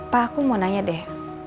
pak aku mau nanya deh